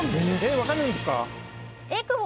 分かるんすか？